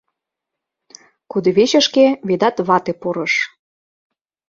Кудывечышке Ведат вате пурыш.